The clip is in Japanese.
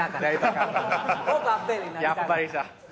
やっぱり。